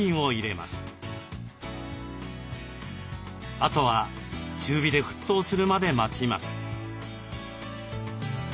あとは中火で沸騰するまで待ちます。